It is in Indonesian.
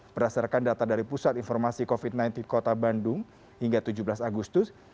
berdasarkan data dari pusat informasi covid sembilan belas kota bandung hingga tujuh belas agustus